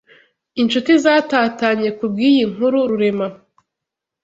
inshuti zatatanye ku bw’iyi nkuru Rurema